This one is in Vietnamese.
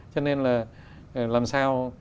cho nên là làm sao